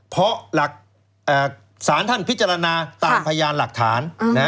เพราะหลักสารท่านพิจารณาตามพยานหลักฐาน